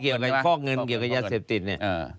คดีฟอกเงินเกี่ยวกับยาเศรษฐ์เสพติธรรม